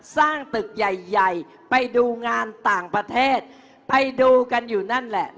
สร้างตึกใหญ่ใหญ่ไปดูงานต่างประเทศไปดูกันอยู่นั่นแหละ